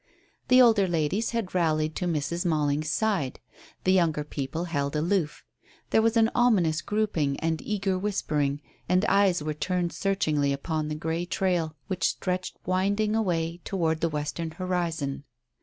The older ladies had rallied to Mrs. Malling's side. The younger people held aloof. There was an ominous grouping and eager whispering, and eyes were turned searchingly upon the grey trail which stretched winding away towards the western horizon.